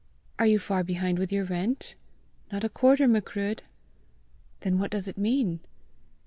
"Are you far behind with your rent?" "Not a quarter, Macruadh." "Then what does it mean?"